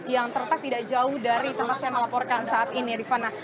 yang terletak tidak jauh dari tempat saya melaporkan saat ini rifana